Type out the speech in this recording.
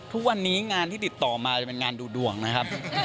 ทุกวันนี้งานที่ติดต่อมาจะเป็นงานดูดวงนะครับ